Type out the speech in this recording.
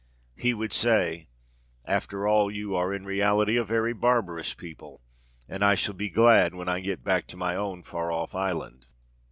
He would say, '_After all, you are in reality a very barbarous people; and I shall be glad when I get back to my own far off island!